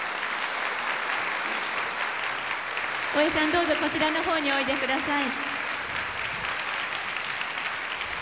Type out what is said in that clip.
どうぞこちらのほうにおいで下さい。